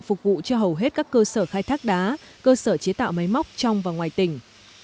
phục vụ cho hầu hết các cơ sở khai thác đá cơ sở chế tạo máy móc trong và ngoài tỉnh